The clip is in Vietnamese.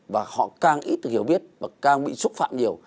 và họ càng ít được hiểu biết và càng bị xúc phạm nhiều